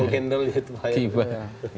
gimana mengendalikan itu pak